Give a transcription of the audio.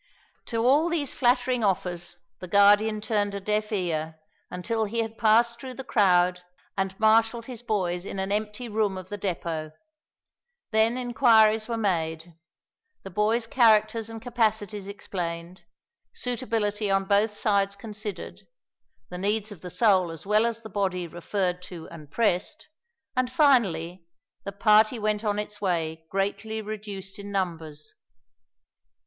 To all these flattering offers the Guardian turned a deaf ear, until he had passed through the crowd and marshalled his boys in an empty room of the depot. Then inquiries were made; the boys' characters and capacities explained; suitability on both sides considered; the needs of the soul as well as the body referred to and pressed; and, finally, the party went on its way greatly reduced in numbers.